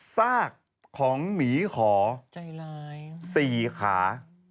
ซากของหมีขอ๔ขา